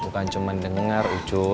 bukan cuma denger